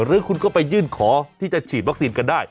หรือคุณก็ไปยื่นขอที่จะฉีดวัคซีนกันได้